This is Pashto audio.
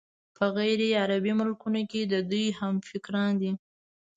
په غیرعربي ملکونو کې د دوی همفکران دي.